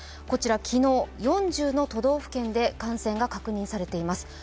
こちら昨日４０の都道府県で感染が確認されています。